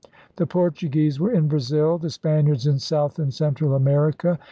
* The Portuguese were in Brazil; the Spaniards, in South and Central America.